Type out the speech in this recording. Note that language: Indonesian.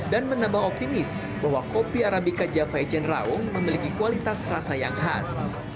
dan menambah optimis bahwa kopi arabica java ejen raung memiliki kualitas rasa yang khas